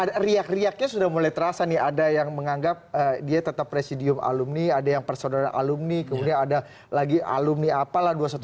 ada riak riaknya sudah mulai terasa nih ada yang menganggap dia tetap presidium alumni ada yang persaudaraan alumni kemudian ada lagi alumni apalah dua ratus dua belas